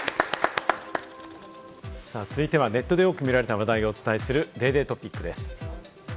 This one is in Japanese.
続いてはネットで多く見られた話題をお伝えするＤａｙＤａｙ．トピックです。